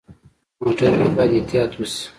موټر کې باید احتیاط وشي.